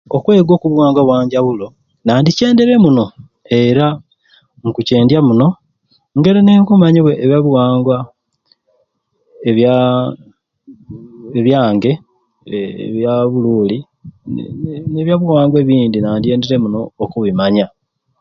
Okwega oku buwangwa obwa njawulo, nandicenderye muno era nkucendya muno ngeri ne nkumanya ebya buwangwa ebyaaa ebyange ebya buruuli n'ebyabuwangwa ebindi nadyenderye muno okubimanya.